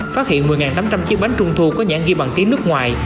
phát hiện một mươi tám trăm linh chiếc bánh trung thu có nhãn ghi bằng tiếng nước ngoài